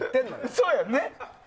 そうよね。